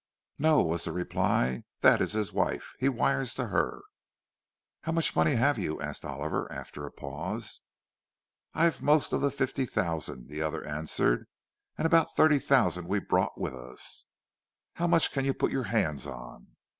"No," was the reply. "That is his wife. He wires to her." "—How much money have you?" asked Oliver, after a pause. "I've most of the fifty thousand," the other answered, "and about thirty thousand we brought with us." "How much can you put your hands on?"